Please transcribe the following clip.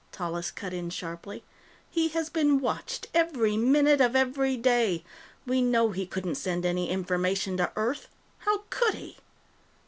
Tallis cut in sharply. "He has been watched every minute of every day. We know he couldn't send any information to Earth. How could he?"